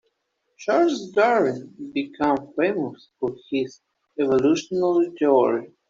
Charles Darwin became famous for his evolutionary theory.